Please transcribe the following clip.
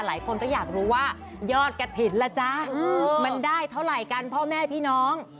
หลายคนก็อยากรู้ว่ายอดกระถิ่นล่ะจ๊ะมันได้เท่าไหร่กันพ่อแม่พี่น้อง